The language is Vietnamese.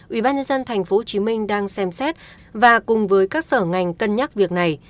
ubnd tp hcm đang xem xét và cùng với các sở ngành cân nhắc việc này